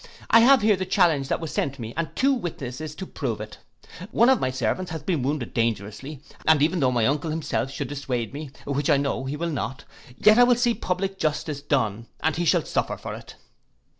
I have here the challenge that was sent me and two witnesses to prove it; one of my servants has been wounded dangerously, and even though my uncle himself should dissuade me, which I know he will not, yet I will see public justice done, and he shall suffer for it.